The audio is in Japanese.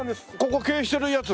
ここ経営してるやつ？